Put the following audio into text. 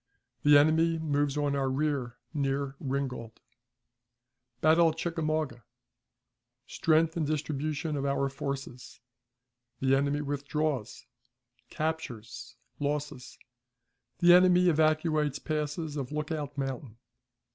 The Enemy moves on our Rear near Ringgold. Battle at Chickamauga. Strength and Distribution of our Forces. The enemy withdraws. Captures. Losses. The Enemy evacuates Passes of Lookout Mountain.